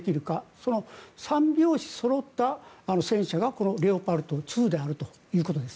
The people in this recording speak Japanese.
その三拍子そろった戦車がこのレオパルト２であるということです。